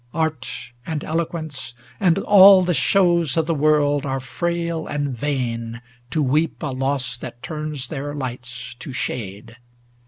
Art and elo quence, 7I(D And all the shows o' the world, are frail and vain To weep a loss that turns their lights tc shade.